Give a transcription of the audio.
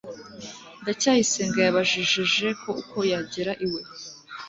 ndacyayisenga yabajije j uko yagera iwe